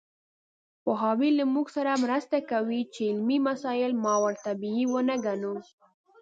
پوهاوی له موږ سره مرسته کوي چې علمي مسایل ماورالطبیعي ونه ګڼو.